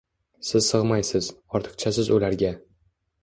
Siz sig’maysiz, ortiqchasiz ularga.